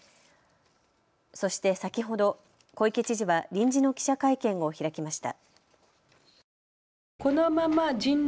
そして先ほど、小池知事は臨時の記者会見を開きました。